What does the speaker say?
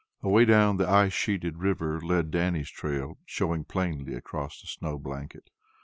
Away down the ice sheeted river led Dannie's trail, showing plainly across the snow blanket.